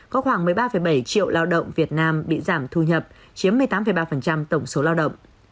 có khoảng một mươi ba bảy triệu lao động việt nam bị giảm thu nhập chiếm một mươi tám ba tổng số lao động